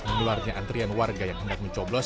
mengeluarnya antrian warga yang ingat mencoblos